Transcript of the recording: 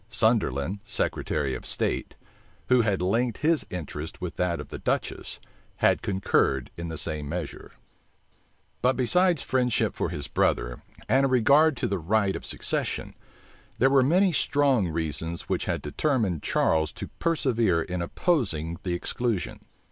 Sunderland, secretary of state, who had linked his interest with that of the duchess, had concurred in the same measure. But besides friendship for his brother, and a regard to the right of succession, there were many strong reasons which had determined Charles to persevere in opposing the exclusion.